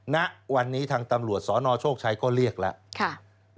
ณวันนี้ทางตำรวจสนโชคชัยก็เรียกแล้ว